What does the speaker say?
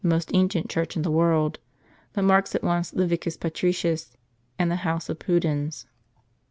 \ most ancient church in the world," * that marks at once the Vicus Patricius, and the house of Pudens.